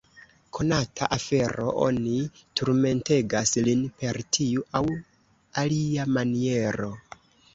Konata afero, oni turmentegas lin per tiu aŭ alia maniero.